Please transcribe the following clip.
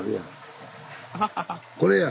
これや！